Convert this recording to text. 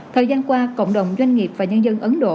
thời gian qua cộng đồng doanh nghiệp và nhân dân ấn độ